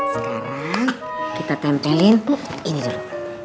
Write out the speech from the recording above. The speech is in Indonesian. sekarang kita tempelin ini dulu